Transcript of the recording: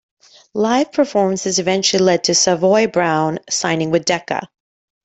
Live performances eventually led to Savoy Brown signing with Decca.